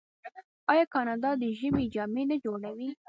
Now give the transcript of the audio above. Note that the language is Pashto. آیا کاناډا د ژمي جامې نه جوړوي؟